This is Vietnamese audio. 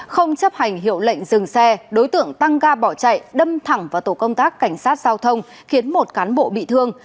không chấp hành hiệu lệnh dừng xe đối tượng tăng ga bỏ chạy đâm thẳng vào tổ công tác cảnh sát giao thông khiến một cán bộ bị thương